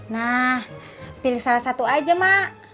nah pilih salah satu aja mak